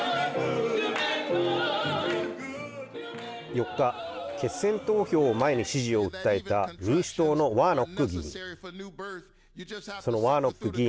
４日決選投票を前に支持を訴えた民主党のワーノック議員。